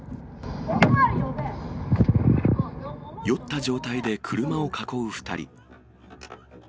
酔った状態で車を囲う２人。